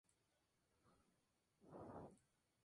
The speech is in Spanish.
Al final de la temporada Astarloa se proclamó Campeón del Mundo.